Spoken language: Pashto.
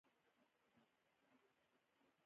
ازادي راډیو د تعلیم پر وړاندې یوه مباحثه چمتو کړې.